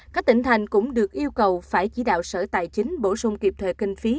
các tỉnh thành cũng được yêu cầu phải chỉ đạo sở tài chính bổ sung kịp thời kinh phí